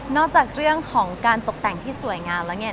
จากเรื่องของการตกแต่งที่สวยงามแล้วเนี่ย